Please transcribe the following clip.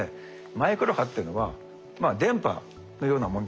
マイクロ波っていうのは電波のようなもんですね。